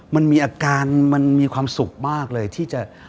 มันมีอาการมันมีความสุขมากเลยที่จะ